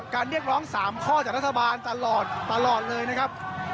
เรียกร้อง๓ข้อจากรัฐบาลตลอดเลยนะครับ